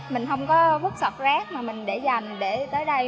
mình không có vút sọt rác mà mình để dành để tới đây